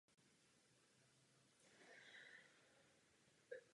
Vzbouřenci podobojí byli odsouzeni ke ztrátě hrdla.